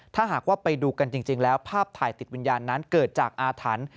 ถ้าหากว่าไปดูกันจริงแล้วภาพถ่ายติดวิญญาณนั้นเกิดจากอาถรรพ์